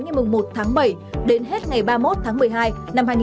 ngày một tháng bảy đến hết ngày ba mươi một tháng một mươi hai